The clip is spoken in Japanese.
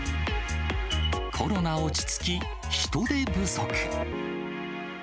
コロナ落ち着き人手不足。